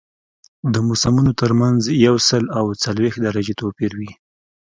د موسمونو ترمنځ یو سل او څلوېښت درجې توپیر وي